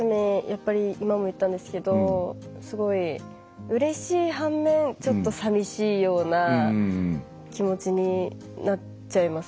やっぱり今も言ったんですけどすごいうれしい反面ちょっとさみしいような気持ちになっちゃいますね。